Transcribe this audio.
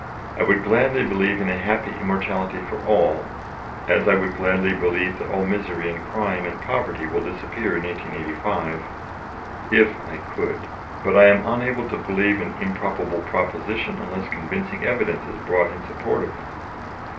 I would gladly believe in a happy immortality for all, as I would gladly believe that all misery and crime and poverty will disappear in 1885 if I could. But I am unable to believe an improbable proposition unless convincing evidence is brought in support of it.